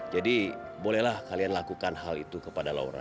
jadi bolehlah kalian lakukan hal itu kepada laura